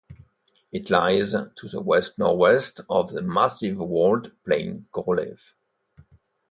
It lies to the west-northwest of the massive walled plain Korolev.